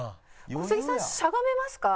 小杉さんしゃがめますか？